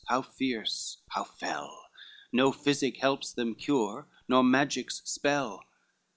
how fierce, how fell! No physic helps them cure, nor magic's spell.